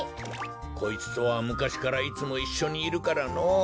こいつとはむかしからいつもいっしょにいるからのぉ。